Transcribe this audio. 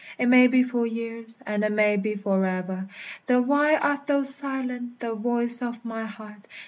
It may be for years, and it may be forever! Then why art thou silent, thou voice of my heart?